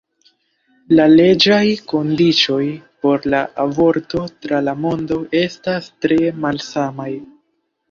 La leĝaj kondiĉoj por la aborto tra la mondo estas tre malsamaj.